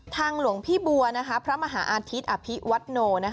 หลวงพี่บัวพระมหาอาทิตย์อภิวัตโน